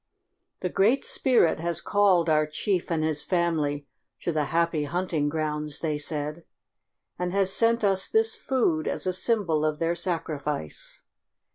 "The Great Spirit has called our chief and his family to the 'Happy Hunting Grounds,'" they said, "and has sent us this food as a symbol of their sacrifice."